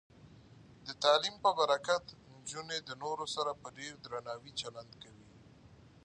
د تعلیم په برکت، نجونې د نورو سره په ډیر درناوي چلند کوي.